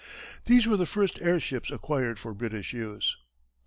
These were the first airships acquired for British use.